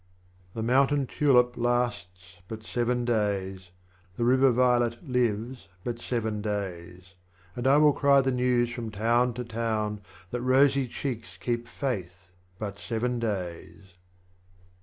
38. The Mountain Tulip lasts but seven days, The River Violet lives but seven days, And I will cry the news from town to town That Rosy Cheeks keep faith but seven days.